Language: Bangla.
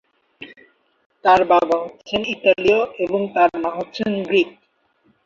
তার বাবা হচ্ছেন ইতালীয় এবং তার মা হচ্ছেন গ্রিক।